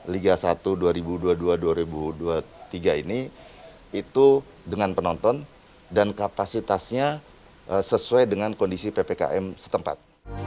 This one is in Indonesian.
liga satu dua ribu dua puluh dua dua ribu dua puluh tiga ini itu dengan penonton dan kapasitasnya sesuai dengan kondisi ppkm setempat